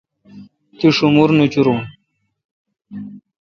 تی ݭومر نوچورون۔